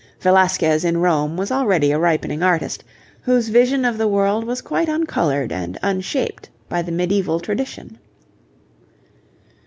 Velasquez in Rome was already a ripening artist, whose vision of the world was quite uncoloured and unshaped by the medieval tradition.